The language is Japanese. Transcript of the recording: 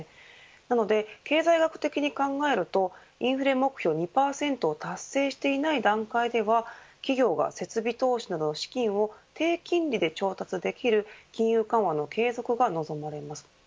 なので、経済学的に考えるとインフレ目標２％を達成していない段階では企業が設備投資などの資金を低金利で調達できる金融緩和の継続が望まれます。